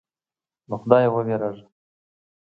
له خدایه وېرېږه.